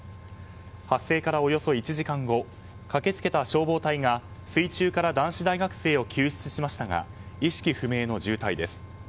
発生からおよそ１時間後駆け付けた消防隊が水中から男子大学生を救出しましたが意識不明の重体です。